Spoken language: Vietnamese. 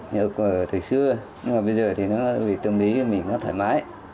như ở thời xưa nhưng mà bây giờ thì nó tương lý cho mình nó thoải mái